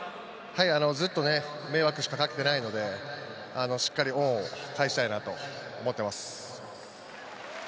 ずっと迷惑しかかけてないので、しっかり恩を返したいと思っています。